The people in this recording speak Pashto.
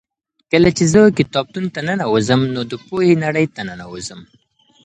کله چې زه کتابتون ته ننوځم نو د پوهې نړۍ ته ننوځم.